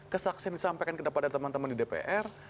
kesaksian disampaikan kepada teman teman di dpr